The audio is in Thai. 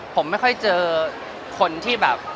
ผมไม่ค่อยเจอคนที่แบบ